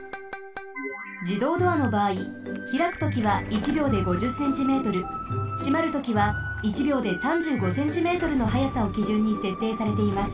自動ドアのばあい開くときは１秒で５０ｃｍ閉まるときは１秒で３５ｃｍの速さをきじゅんにせっていされています。